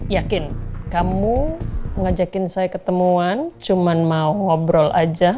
yakin kamu ngajakin saya ketemuan cuma mau ngobrol aja